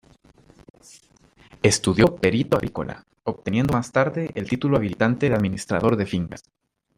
Estudió Perito agrícola, obteniendo más tarde el título habilitante de administrador de fincas.